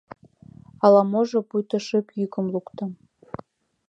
Ала-можо пуйто шып йӱкым лукто...